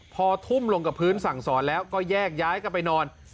พอทุ่มลงกับพื้นสั่งสอนแล้วก็แยกย้ายกันไปนอน